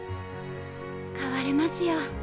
変われますよ。